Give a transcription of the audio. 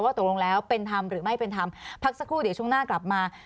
ตกลงแล้วเป็นธรรมหรือไม่เป็นธรรมพักสักครู่เดี๋ยวช่วงหน้ากลับมา